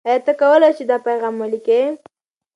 آیا ته کولای سې چې دا پیغام ولیکې؟